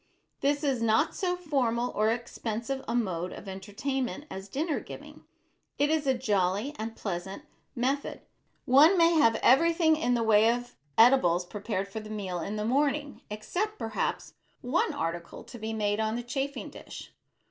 This is not so formal or expensive a mode of entertainment as dinner giving. It is a jolly and pleasant method. One may have everything in the way of edibles prepared for the meal in the morning except perhaps one article to be made on the chafing dish.